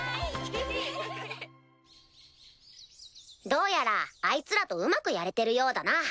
・どうやらあいつらとうまくやれてるようだな。